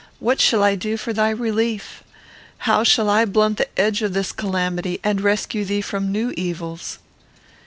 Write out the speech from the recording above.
what shall I do for thy relief? How shall I blunt the edge of this calamity, and rescue thee from new evils?"